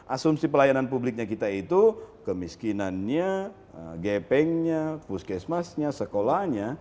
asumsi pelayanan publiknya kita itu kemiskinannya gepengnya puskesmasnya sekolahnya